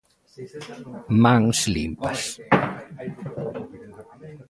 Mans limpas.